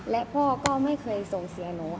และพ่อก็ไม่เคยส่งเสียหนู